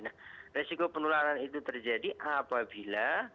nah resiko penularan itu terjadi apabila